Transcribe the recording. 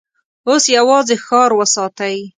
اوس يواځې ښار وساتئ!